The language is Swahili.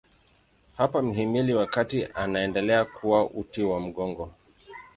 Hapa mhimili wa kati unaendelea kuwa uti wa mgongo.